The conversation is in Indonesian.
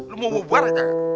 lu mau bubur gak